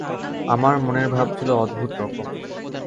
আমার মনের ভাব ছিল অদ্ভুত রকম।